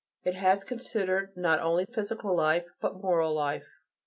It has considered not only physical life, but moral life.